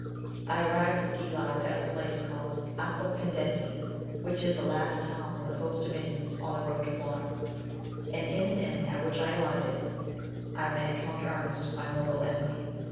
I arrived with Guillart at a place called Aquapendente, which is the last town in the pope's dominions on the road to Florence, and in an inn at which I alighted, I met Count Ernest, my mortal enemy.